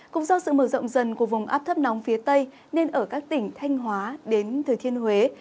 cũng do sự mở rộng dần của vùng áp thấp nóng phía tây nên ở các tỉnh thanh hóa đến thừa thiên huế